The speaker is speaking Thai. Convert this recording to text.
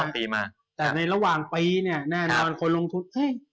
มาแต่ในระหว่างปีเนี่ยแน่นอนคนลงทุนเฮ้ย